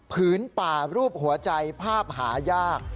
ผืนป่ารูปหัวใจภาพหายาก